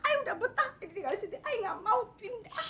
ibu udah betah